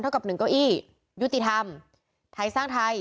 กับหนึ่งเก้าอี้ยุติธรรมไทยสร้างไทย